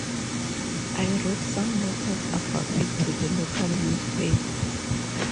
I wrote some letters about it to the local newspaper.